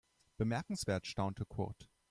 Bemerkenswert, staunte Kurt.